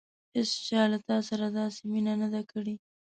هېڅچا له تا سره داسې مینه نه ده کړې.